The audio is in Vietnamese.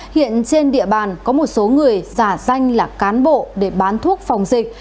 hiện trên địa bàn có một số người giả danh là cán bộ để bán thuốc phòng dịch